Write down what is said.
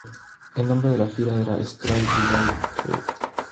El nombre de la gira era Stripped Live Tour.